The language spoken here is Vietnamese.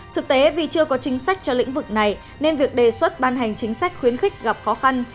thực tế vì chưa có chính sách cho lĩnh vực này nên việc đề xuất ban hành chính sách khuyến khích gặp khó khăn